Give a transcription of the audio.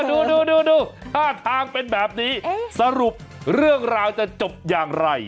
ดูดูท่าทางเป็นแบบนี้สรุปเรื่องราวจะจบอย่างไร